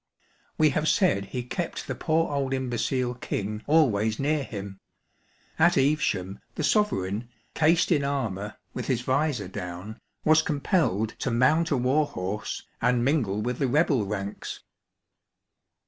We have said he kept the poor old imbecile King always near him. At Evesham, the sovereign, cased in armour, with his vizor down, was compelled to mount a war horse, and mingle with the rebel ranks.